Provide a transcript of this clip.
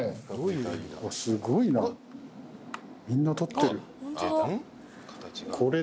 うわすごいなみんな撮ってる。